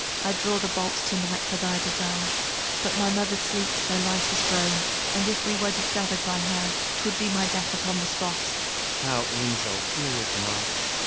I'd draw the bolts to night, for thy desire; But mother's sleep so light has grown, And if we were discovered by her, 'Twould be my death upon the spot! FAUST Thou angel, fear it not!